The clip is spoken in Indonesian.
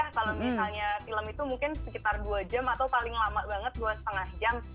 kalau misalnya film itu mungkin sekitar dua jam atau paling lama banget dua lima jam